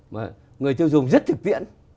mà người tiêu dùng rất thực tiễn